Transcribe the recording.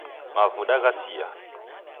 Mavuda ghasia